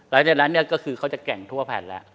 และในด้านนี้ก็คือเขาจะแข่งทั่วแผ่นแล้ว